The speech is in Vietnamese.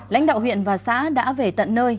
lãnh đạo huyện và xã đã về tận nơi